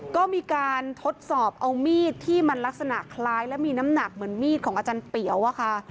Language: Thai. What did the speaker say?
ก็มีการทดสอบเอามีดที่มันลักษณะคล้ายและมีน้ำหนักเหมือนมีดของอาจารย์เตี๋ยวอะค่ะ